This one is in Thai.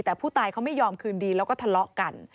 แต่ผู้ตายเขาไม่ยอมคืนดีแล้วก็ทะเลาะกัน